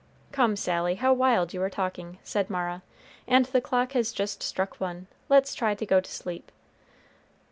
"Come, Sally, how wild you are talking," said Mara, "and the clock has just struck one; let's try to go to sleep."